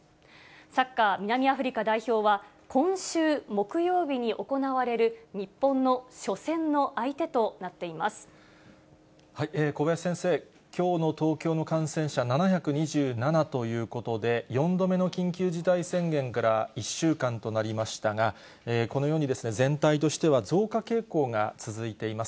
サッカー南アフリカ代表は、今週木曜日に行われる、小林先生、きょうの東京の感染者７２７ということで、４度目の緊急事態宣言から１週間となりましたが、このように全体としては増加傾向が続いています。